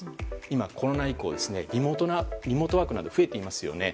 今、コロナ以降リモートワークなどが増えていますよね。